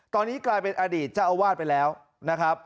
ตอนนี้กลายเป็นอดีตเจ้าอาวาสไปแล้วนะครับ